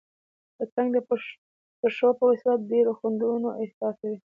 پتنګ د پښو په وسیله ډېر خوندونه احساسوي.